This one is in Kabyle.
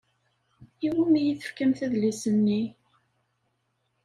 I wumi i tefkamt adlis-nni?